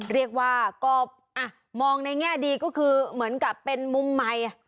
เรียกว่าก็มองในแง่ดีก็คือเหมือนกับเป็นมุมใหม่